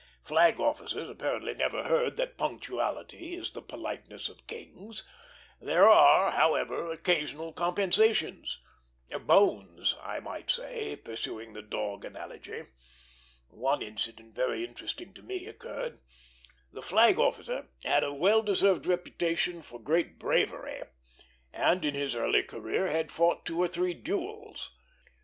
Flag officers apparently never heard that punctuality is the politeness of kings. There are, however, occasional compensations; bones, I might say, pursuing the dog analogy. One incident very interesting to me occurred. The flag officer had a well deserved reputation for great bravery, and in his early career had fought two or three duels.